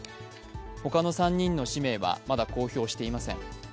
他の３人の氏名はまだ公表していません。